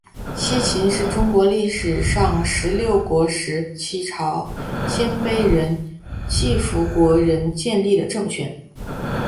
西秦是中国历史上十六国时期鲜卑人乞伏国仁建立的政权。